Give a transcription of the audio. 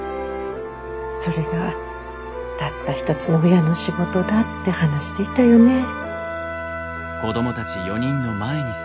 それがたった一つの親の仕事だって話していたよねぇ。